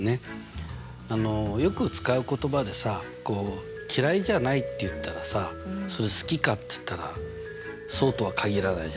よく使う言葉でさ嫌いじゃないって言ったらさそれ好きかって言ったらそうとは限らないじゃない？